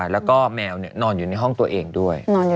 แล้วก็แมวนอนอยู่ในห้องตัวเองด้วย